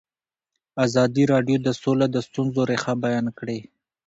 ازادي راډیو د سوله د ستونزو رېښه بیان کړې.